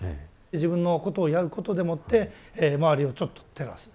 自分のことをやることでもって周りをちょっと照らす。